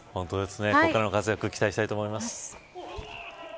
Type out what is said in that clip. これからの活躍期待したいと思います。